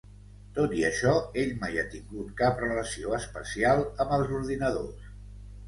Tot i això, ell mai ha tingut cap relació especial amb els ordinadors.